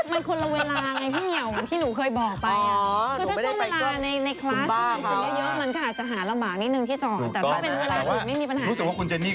แต่ถ้าเป็นเวลานี้มีปัญหาไงครับแต่ว่ารู้สึกว่าคุณเจนนี่